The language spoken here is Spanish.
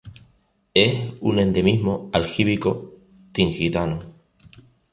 Es un endemismo aljíbico-tingitano.